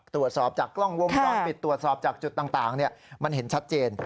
ตรวจสอบจากกล้องวงจรปิดตรวจสอบจากจุดต่างมันเห็นชัดเจน